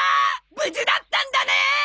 無事だったんだね！